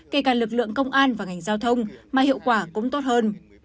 kể cả lực lượng công an và ngành giao thông mà hiệu quả cũng tốt hơn